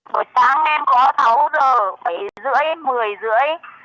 bữa sáng em có sáu giờ bảy rưỡi một mươi rưỡi